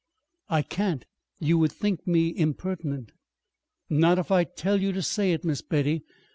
"I can't. You would think me impertinent." "Not if I tell you to say it, Miss Betty.